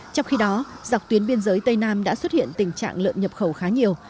trong khi đó dọc tuyến biên giới tây nam đã xuất hiện tình trạng lợn nhập khẩu